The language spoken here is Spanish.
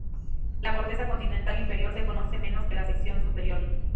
La corteza continental inferior se conoce menos que la sección superior.